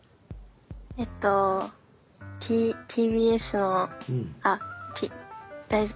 えっとＴＢＳのあ大丈夫。